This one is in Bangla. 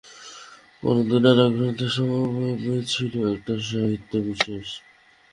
পরন্তু নানা গ্রন্থের সমবায়ে বেদ ছিল একটি সাহিত্য-বিশেষ।